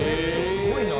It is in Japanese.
すごいな。